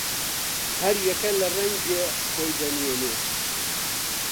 هەر یەکە لە ڕەنگێ خۆی دەنوێنێ